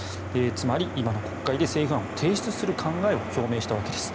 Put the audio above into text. つまり、今の国会で政府案を提出する考えを表明したわけです。